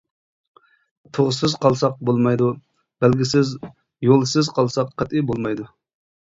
تۇغسىز قالساق بولمايدۇ، بەلگىسىز يولسىز قالساق قەتئىي بولمايدۇ.